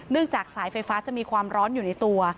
จากสายไฟฟ้าจะมีความร้อนอยู่ในตัว